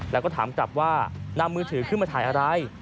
แล้วก็ถามกลับว่านำมือถือขึ้นมาถ่ายอะไร